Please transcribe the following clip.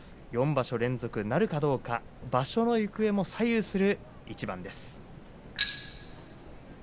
４場所連続なるかどうか場所の行方も左右する一番です。